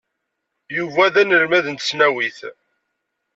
Yuba d anelmad n tesnawit.